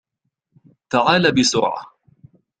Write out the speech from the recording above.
.تعال بسرعة